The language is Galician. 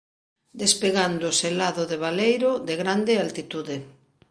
Despegando selado de baleiro de grande altitude.